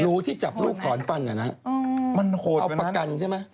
รูที่จับลูกถอนฟันมันเอาประกันใช่ไหม